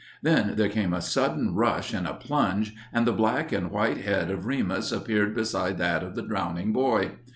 Then there came a sudden rush and a plunge and the black and white head of Remus appeared beside that of the drowning boy.